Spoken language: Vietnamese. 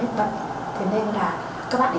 hết vật thế nên là các bạn